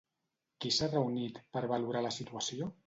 Qui s'ha reunit per valorar la situació?